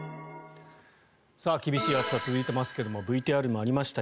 厳しい暑さ続いていますがＶＴＲにもありました